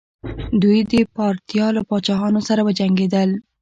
دوی د پارتیا له پاچاهانو سره وجنګیدل